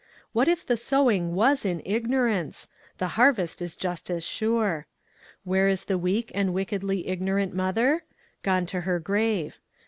What if the sowing was in ignorance ? The harvest is just as sure. Where is the weak and wickedly ignorant mother? Gone to her grave.